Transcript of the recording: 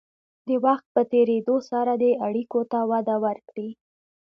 د وخت په تېرېدو سره دې اړیکو ته وده ورکړئ.